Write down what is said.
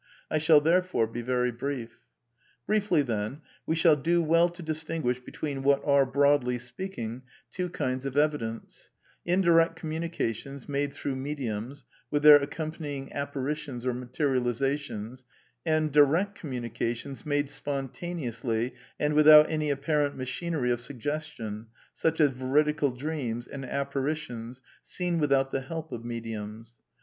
I shall, therefore, be very brief. Briefly, then, we shall do well to distinguish hetseen what are, broadly speaking, two tinds of evidence: In diredJ 'co^unicationfl, made through mediums, with their accompanying apparitions or materializations, and: Direct communications, made spontaneously and without any apparent machinery of suggestion, such as " ve ridical " dreams and apparitions seen without the help of mediums.